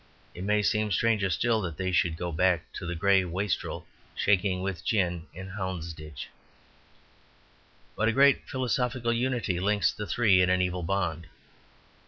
It may seem stranger still that they should go back to the grey wastrel shaking with gin in Houndsditch. But a great philosophical unity links the three in an evil bond.